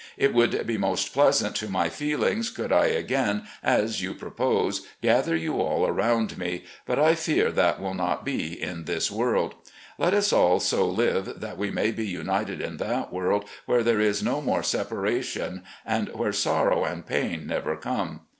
It would be most pleasant to my feelings could I again, as you propose, gather you all around me, but I fear that win not be in this world. Let us all so live that we may be united in that world where there is no more separation, and where sorrow and pain never come.